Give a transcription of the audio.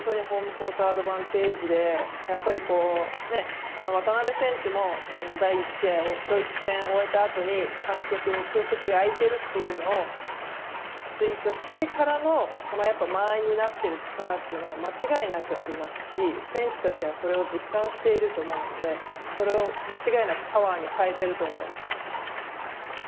アドバンテージで渡邊選手も第１試合をドイツ戦を終えた後に客席に空席があるというのをツイートしてからの間合いになっている力というのは間違いなくありますし選手たちはそれを実感していると思うんでそれを、間違いなくパワーに変えていると思います。